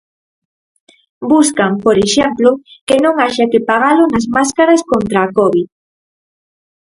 Buscan, por exemplo, que non haxa que pagalo nas máscaras contra a covid.